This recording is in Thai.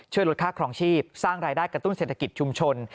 ลดค่าครองชีพสร้างรายได้กระตุ้นเศรษฐกิจชุมชน